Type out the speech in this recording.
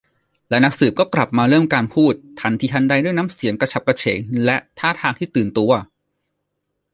และนักสืบก็กลับมาเริ่มการพูดทันทีทันใดด้วยน้ำเสียงกระฉับกระเฉงและท่าทางที่ตื่นตัว